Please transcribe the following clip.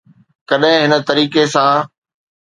ڪڏهن هن طريقي سان.